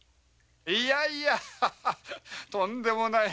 いゃいゃとんでもない。